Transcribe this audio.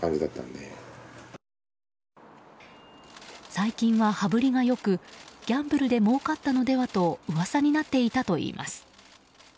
最近は羽振りが良くギャンブルでもうかったのではと噂になっていたといいます。